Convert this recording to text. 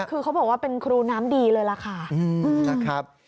คือเขาบอกว่าเป็นครูน้ำดีเลยล่ะค่ะนะครับ